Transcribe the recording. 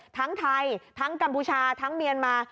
ทั้งไทยทั้งกัมพูชาทั้งเมียนมา